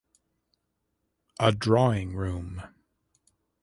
A drawing room.